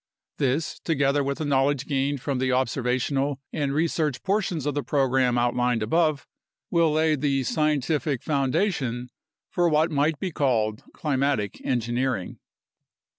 This, together with the knowledge gained from the observational and research por tions of the program outlined above, will lay the scientific foundation for what might be called climatic engineering.